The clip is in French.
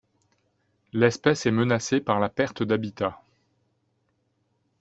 L'espèce est menacée par la perte d'habitat.